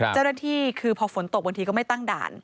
เจ้าหน้าที่คือพอฝนตกบางทีก็ไม่ตั้งด่าน